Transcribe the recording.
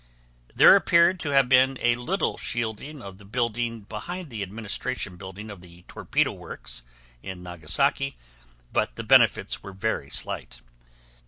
There appeared to have been a little shielding of the building behind the Administration Building of the Torpedo Works in Nagasaki, but the benefits were very slight.